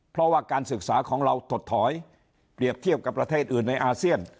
เพราะว่าการศึกษาของเราถดถอยเปรียบเทียบกับประเทศอื่นในอาเซียน